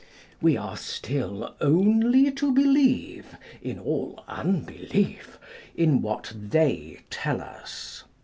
We are still only to believe in all unbelief â€" in what they tell us.